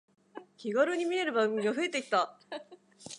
気軽に見れる番組が増えてきた